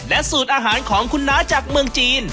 สูตรอาหารของคุณน้าจากเมืองจีน